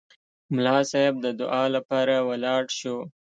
ملا صیب د دعا لپاره ولاړ شو.